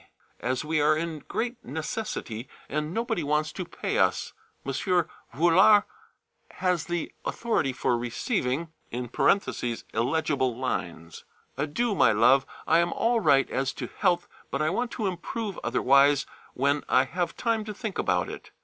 as we are in great necessity, and nobody wants to pay us. M. Voullart has the authority for receiving it (illegible lines).... Adieu, my love, I am all right as to health, but I want to improve otherwise when I have time to think about it.